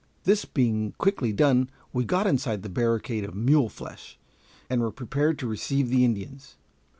This being quickly done, we got inside the barricade of mule flesh, and were prepared to receive the Indians.